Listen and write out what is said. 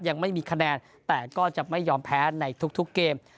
ยังไม่มีคะแนนแต่ก็จะไม่ยอมแพ้ในทุกเกม